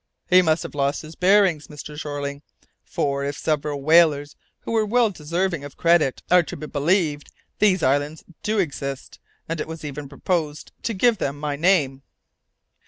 "He must have lost his bearings, Mr. Jeorling, for, if several whalers, who were well deserving of credit, are to be believed, these islands do exist, and it was even proposed to give them my name."